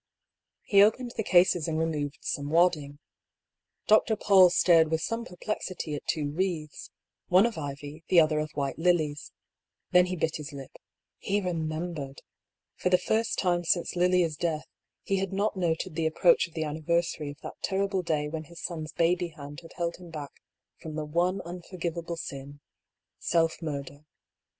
He opened the cases and removed some wadding. Dr. Paull stared with some perplexity at two wreaths one of ivy, the other of white lilies. Then he bit his lip — he remembered ! For the first time since Lilia's death, he had not noted the approach of the anniversary of that terrible day when his son's baby hand had held him back from the one unforgivable sin — self murder.